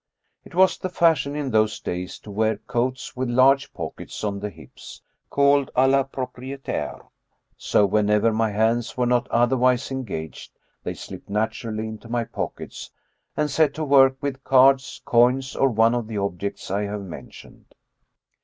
It was the fashion in those days to wear coats with large pockets on the hips, called d la 206 M. Robert Houdin propriStaire, so whenever my hands were not otherwise engaged they slipped naturally into my pockets, and set to work with cards, coins, or one of the objects I have mentioned.